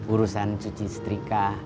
urusan cuci setrika